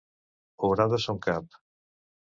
Obrar de son cap.